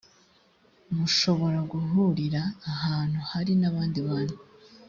mushobora guhurira ahantu hari n’abandi bantu